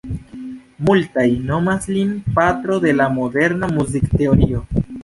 Multaj nomas lin "patro de la moderna muzikteorio".